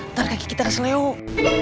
ntar kaki kita kesel yuk